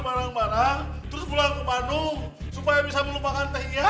supaya bisa melupakan teh iya